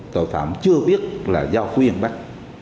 tội phạm chưa biết là giao phú yên bắt